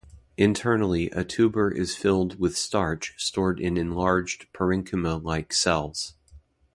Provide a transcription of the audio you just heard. Internally, a tuber is filled with starch stored in enlarged parenchyma like cells.